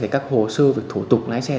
các hồ sơ thủ tục lái xe